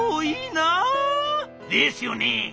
「ですよね」。